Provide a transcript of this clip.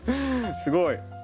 すごい！